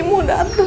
si muda atuh